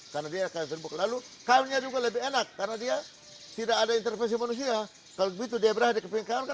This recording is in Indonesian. jadi untuk mas kawin juga kuda sandal ini ya menjadi andalan di sumba di sumba ini khususnya